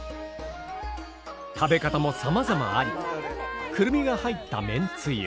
食べ方もさまざまありくるみが入っためんつゆ。